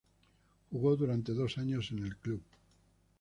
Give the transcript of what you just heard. Jugó durante dos años en el club.